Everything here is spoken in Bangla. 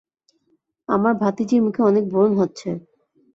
আমার ভাতিজির মুখে অনেক ব্রণ হচ্ছে।